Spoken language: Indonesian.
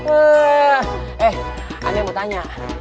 eh aneh mau tanya